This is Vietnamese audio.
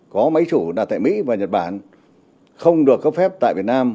có máy chủ đặt tại mỹ và nhật bản không được cấp phép tại việt nam